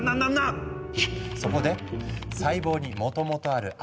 そこで細胞にもともとあるＲＮＡ